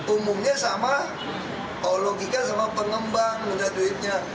umumnya sama oh logika sama pengembang minta duitnya